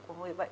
của người bệnh